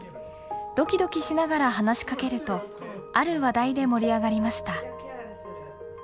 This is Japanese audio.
ドキドキしながら話しかけるとある話題で盛り上がりました。